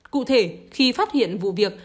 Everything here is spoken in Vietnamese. cụ thể khi phát hiện vụ việc